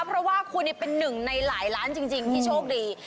เพราะว่าคุณเป็นหนึ่งในหลายล้านจริงที่โชคดี